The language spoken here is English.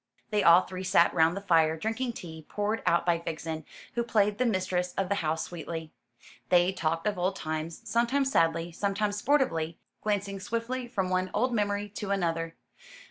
They all three sat round the fire, drinking tea, poured out by Vixen, who played the mistress of the house sweetly. They talked of old times, sometimes sadly, sometimes sportively, glancing swiftly from one old memory to another.